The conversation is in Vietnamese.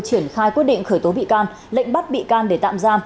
triển khai quyết định khởi tố bị can lệnh bắt bị can để tạm giam